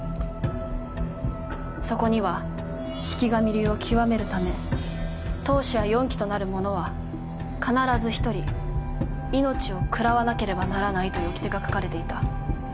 そこには四鬼神流を極めるため当主や四鬼となる者は必ず一人命を食らわなければならないというおきてが書かれていた。